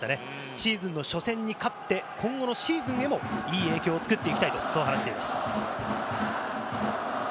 シーズン初戦に勝って今後のシーズンへもいい影響を作っていきたいと話していました。